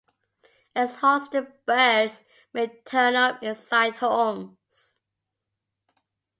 Exhausted birds may turn up inside homes.